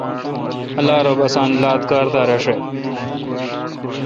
اللہ رب اسان لات کار دا رݭہ۔